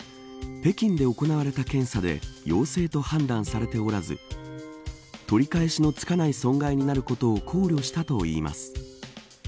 北京で行われた検査で陽性と判断されておらず取り返しのつかない損害になることを考慮したといいます。